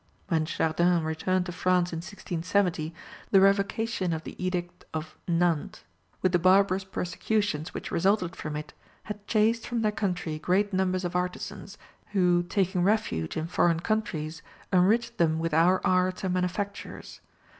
When Chardin returned to France in 1670, the Revocation of the Edict of Nantes, with the barbarous persecutions which resulted from it, had chased from their country great numbers of artisans, who, taking refuge in foreign countries enriched them with our arts and manufactures.